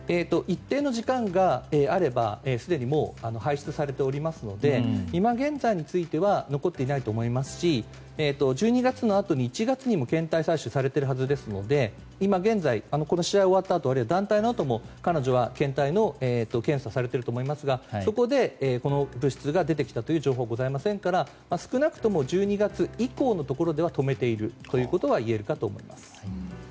一定の時間があればすでに排出されておりますので今現在については残っていないと思いますし１２月のあとに１月にも検体採取されているはずですので今現在、試合が終わったあとあるいは団体のあとにも彼女は検体の検査をされていると思いますがそこで、この物質が出てきたという情報がありませんから少なくとも１２月以降のところでは止めているとはいえるかと思います。